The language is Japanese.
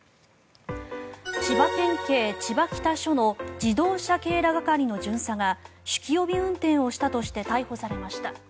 千葉県警千葉北署の自動車警ら係の巡査が酒気帯び運転をしたとして逮捕されました。